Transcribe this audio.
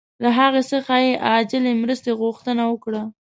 له هغه څخه یې عاجلې مرستې غوښتنه وکړه.